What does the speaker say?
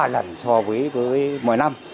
ba lần so với mỗi năm